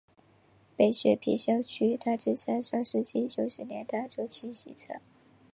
北雪平校区大致在上世纪九十年代中期形成。